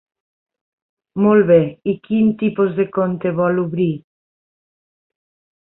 Molt bé, i quin tipus de compte vol obrir?